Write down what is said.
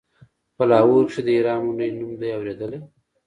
په لاهور کښې د هيرا منډيي نوم دې اورېدلى.